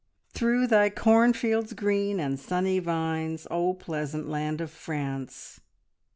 "Through thy cornfields green, and sunny vines, O pleasant land of France."